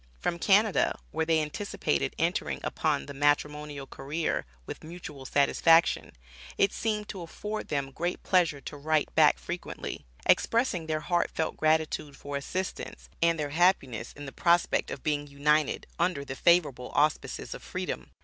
From Canada, where they anticipated entering upon the matrimonial career with mutual satisfaction, it seemed to afford them great pleasure to write back frequently, expressing their heartfelt gratitude for assistance, and their happiness in the prospect of being united under the favorable auspices of freedom!